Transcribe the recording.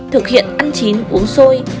thực hiện ăn chín uống xôi